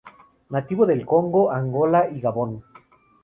Nativo del Congo, Angola y Gabón.